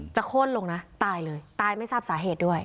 โค้นลงนะตายเลยตายไม่ทราบสาเหตุด้วย